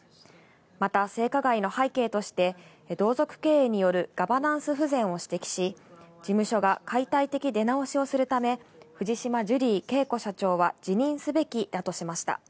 また、性加害の背景として、同族経営によるガバナンス不全を指摘し、事務所が解体的出直しをするため、藤島ジュリー景子社長は辞任すべきだとしました。